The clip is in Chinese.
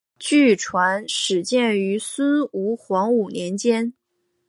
据传始建于孙吴黄武年间。